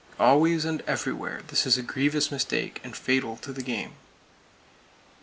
Always and everywhere, this is a grievous mistake, and fatal to the game.